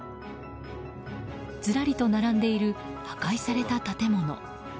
ずらりと並んでいる破壊された建物。